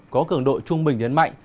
có cường độ trung bình đến mạnh